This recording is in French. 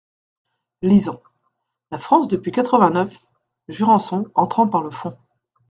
Lisant. "La France depuis quatre-vingt-neuf…" Jurançon , entrant par le fond.